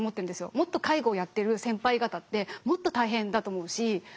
もっと介護をやってる先輩方ってもっと大変だと思うし。